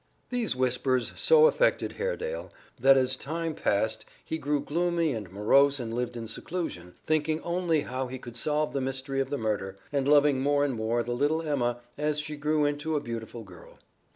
These whispers so affected Haredale that as time passed he grew gloomy and morose and lived in seclusion, thinking only how he could solve the mystery of the murder, and loving more and more the little Emma as she grew into a beautiful girl.